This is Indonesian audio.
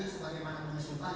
sebagaimana pun disumpah